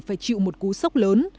phải chịu một cú sốc lớn